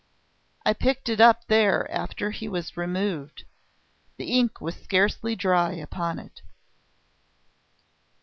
I picked it up there after he was removed ... the ink was scarcely dry upon it."